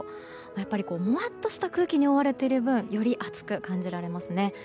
やっぱり、もわっとした空気に覆われている分より暑く感じられますね。